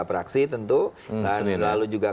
praksi tentu lalu juga